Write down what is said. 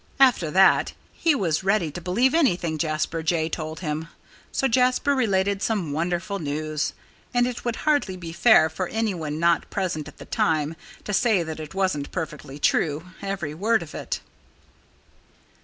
After that he was ready to believe everything Jasper Jay told him. So Jasper related some wonderful news. And it would hardly be fair for anyone not present at the time to say that it wasn't perfectly true every word of it.